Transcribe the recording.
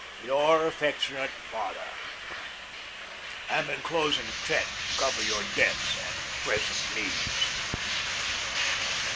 Your affectionate FATHER, Am enclosing check to cover your debts and present needs.